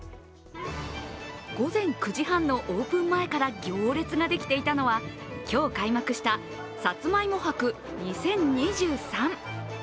午前９時半のオープン前から行列ができていたのは今日開幕したさつまいも博２０２３。